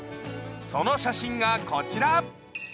その写真がこちら。